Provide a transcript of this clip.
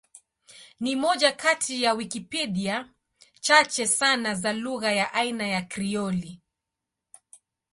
Ni moja kati ya Wikipedia chache sana za lugha ya aina ya Krioli.